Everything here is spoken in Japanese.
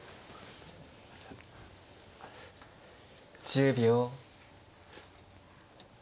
１０秒。